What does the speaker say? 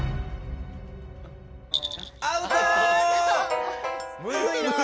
アウトー！